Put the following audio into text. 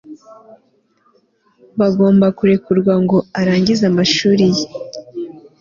bagomba kurekurwa ngo arangize amashuri ye